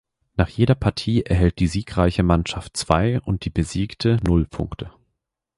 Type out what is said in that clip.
Nach jeder Partie erhält die siegreiche Mannschaft zwei und die besiegte null Punkte.